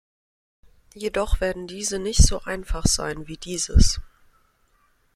Jedoch werden diese nicht so einfach sein wie dieses.